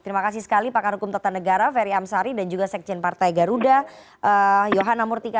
terima kasih sekali pakar hukum tata negara ferry amsari dan juga sekjen partai garuda yohana murtika